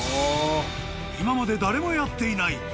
［今まで誰もやっていない］